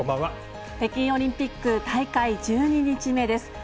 北京オリンピックは大会１２日目です。